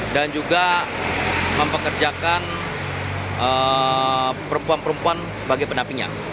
dan juga mempekerjakan perempuan perempuan sebagai penapinya